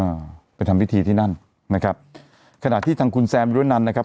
อ่าไปทำพิธีที่นั่นนะครับขณะที่ทางคุณแซมยุรนันนะครับ